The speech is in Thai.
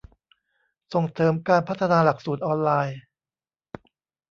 ส่งเสริมการพัฒนาหลักสูตรออนไลน์